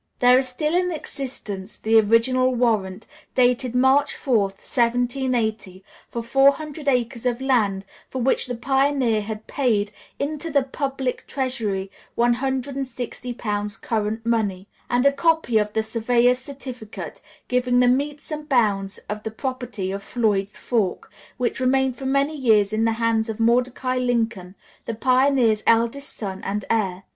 There is still in existence [Transcriber's Note: Lengthy footnote relocated to chapter end.] the original warrant, dated March 4, 1780, for four hundred acres of land, for which the pioneer had paid "into the publick Treasury one hundred and sixty pounds current money," and a copy of the surveyor's certificate, giving the metes and bounds of the property on Floyd's Fork, which remained for many years in the hands of Mordecai Lincoln, the pioneer's eldest son and heir.